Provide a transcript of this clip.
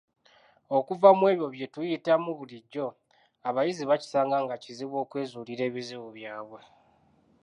Okuva mu ebyo bye tuyitamu bulijjo, abayizi bakisanga nga kizibu okwezuulira ebizibu ebyabwe.